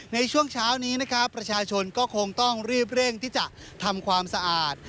ในช่วงเช้านี้นะครับประชาชนก็คงต้องรีบเร่งที่จะทำความสะอาด